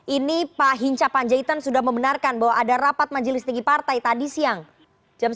ini pak hinca panjaitan sudah membenarkan bahwa ada rapat majelis tinggi partai tadi siang jam sembilan